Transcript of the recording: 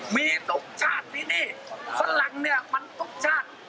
มีทุกชาติมีหนี้ฝรั่งเนี่ยมันทุกชาติ